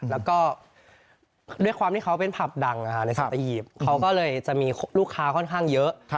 แล้วก็ด้วยความที่เขาเป็นผับดังในสัตหีบเขาก็เลยจะมีลูกค้าค่อนข้างเยอะ